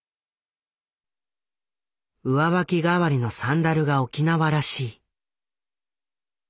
上履きがわりのサンダルが沖縄らしい。